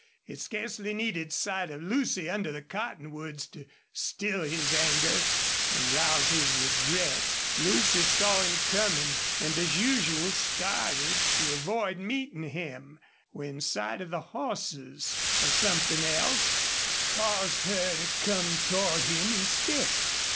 It scarcely needed sight of Lucy under the cottonwoods to still his anger and rouse his regret. Lucy saw him coming, and, as usual, started to avoid meeting him, when sight of the horses, or something else, caused her to come toward him instead.